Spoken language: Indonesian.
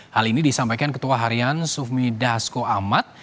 hal ini disampaikan ketua harian sufmi dasko ahmad